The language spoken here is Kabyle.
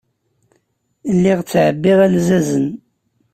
Lliɣ ttɛebbiɣ alzazen.